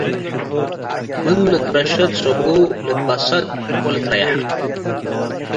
ምን ልትረሸድ ሰብኡ ልትበሰጥ ወልትረየሕ ።